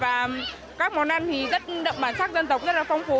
và các món ăn thì rất đậm bản sắc dân tộc rất là phong phú